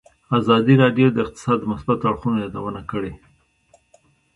ازادي راډیو د اقتصاد د مثبتو اړخونو یادونه کړې.